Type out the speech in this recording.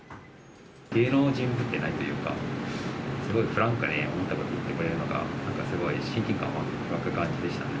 芸能人ぶってないというか、すごいフランクに思ったことを言ってくれるのが、すごい親近感湧く感じでしたね。